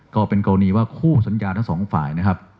ก็เป็นกรณีว่าคู่สัญญาทั้งสองฝ่ายนะครับ